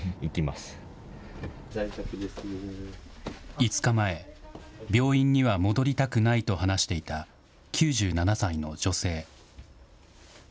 ５日前、病院には戻りたくないと話していた９７歳の女性。